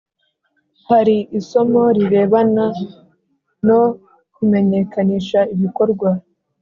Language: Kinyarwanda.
Hari isomo rirebana no kumenyakanisha ibikorwa,